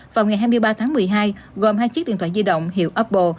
vào ngày hai mươi ba tháng một mươi hai gồm hai chiếc điện thoại di động hiệu apple